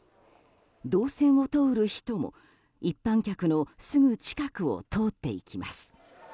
動線を通る人も一般客のすぐ近くを通っていきます。